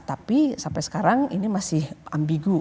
tapi sampai sekarang ini masih ambigu